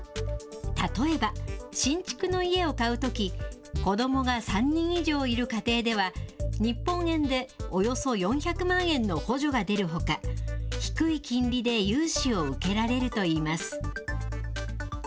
例えば、新築の家を買うとき、子どもが３人以上いる家庭では、日本円でおよそ４００万円の補助が出るほか、低い金利で融資を受けられるといいます。